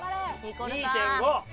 ２．５。